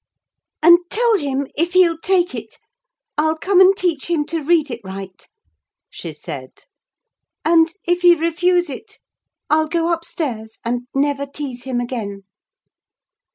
"And tell him, if he'll take it, I'll come and teach him to read it right," she said; "and, if he refuse it, I'll go upstairs, and never tease him again."